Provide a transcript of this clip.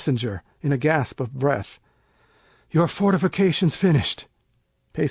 [in a gasp of breath_] Your fortification's finished. Peis.